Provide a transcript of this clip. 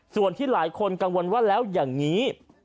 ส่วนที่หลายคนกังวลว่าแล้วอย่างนี้